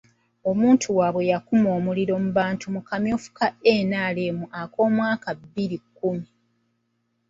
Omuntu waabwe yakuma omuliro mu bantu mu kamyufu ka NRM ak'omwaka bbiri kkumi.